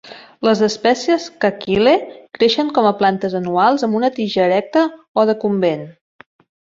Les espècies "Cakile" creixen com a plantes anuals amb una tija erecta o decumbent.